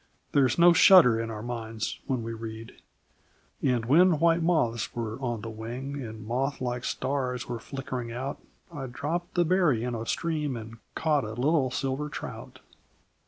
There is no shudder in our minds when we read: And when white moths were on the wing, And moth like stars were flickering out, I dropped the berry in a stream, And caught a little silver trout.